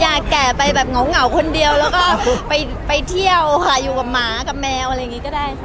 แก่ไปแบบเหงาคนเดียวแล้วก็ไปเที่ยวค่ะอยู่กับหมากับแมวอะไรอย่างนี้ก็ได้ค่ะ